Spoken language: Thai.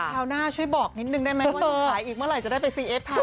คราวหน้าช่วยบอกนิดนึงได้ไหมว่าจะขายอีกเมื่อไหร่จะได้ไปซีเอฟไทย